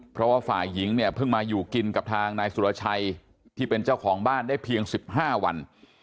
เพราะว่าฝ่ายหญิงเนี่ยเพิ่งมาอยู่กินกับทางนายสุรชัยที่เป็นเจ้าของบ้านได้เพียง๑๕วัน